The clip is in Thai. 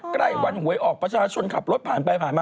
ใกล้วันหวยออกประชาชนขับรถผ่านไปผ่านมา